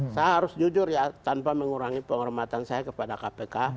saya harus jujur ya tanpa mengurangi penghormatan saya kepada kpk